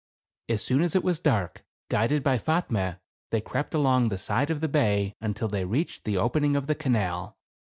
As soon as it was dark, guided by Fatme, they crept along the side of the bay, until they reached the open ing of the canal.